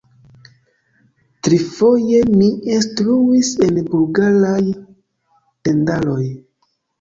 Trifoje mi instruis en Bulgaraj tendaroj.